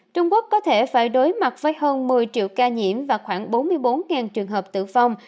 trung quốc có thể phải đối mặt với hơn một mươi triệu ca nhiễm và khoảng bốn mươi bốn trường hợp tử vong